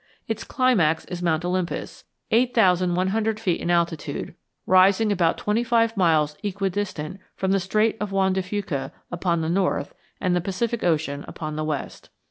Its climax is Mount Olympus, eight thousand one hundred feet in altitude, rising about twenty five miles equidistant from the Strait of Juan de Fuca upon the north and the Pacific Ocean upon the west.